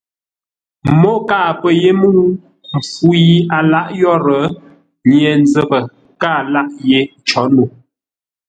Mô kâa pə́ yé mə́u! Mpfu yi a lǎʼ yórə́, Nye-nzəpə kâa lâʼ yé có no.